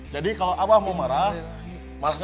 jadi kalau abah mau marah marah